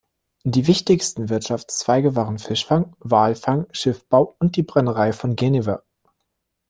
Die wichtigsten Wirtschaftszweige waren Fischfang, Walfang, Schiffbau und die Brennerei von Genever.